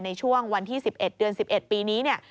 ในช่วงวันที่๑๑เดือน๑๑ปีนี้เนี่ย